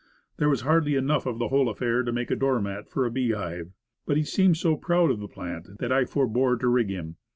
There was hardly enough of the whole affair to make a door mat for a bee hive. But he seemed so proud of the plant, that I forbore to rig him.